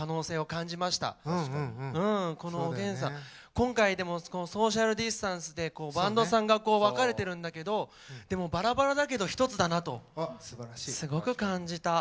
今回でもソーシャルディスタンスでバンドさんが分かれてるんだけどばらばらだけど一つだなとすごく感じた。